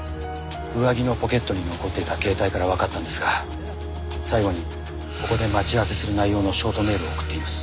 上着のポケットに残っていた携帯からわかったんですが最後にここで待ち合わせする内容のショートメールを送っています。